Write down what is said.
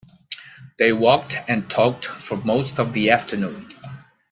They walked and talked for most of the afternoon.